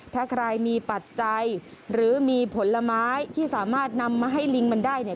ถ้าใครมีปัจจัยหรือมีผลไม้ที่สามารถนำมาให้ลิงมันได้เนี่ย